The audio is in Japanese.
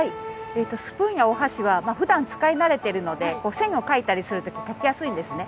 スプーンやお箸はふだん使い慣れているので、線を描いたりするときに描きやすいんですね。